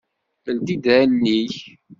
Ldi-d allen-ik.